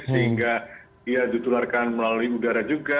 sehingga dia ditularkan melalui udara juga